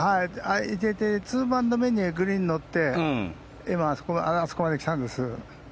２バウンド目にグリーンに乗って今、あそこまで来たんです。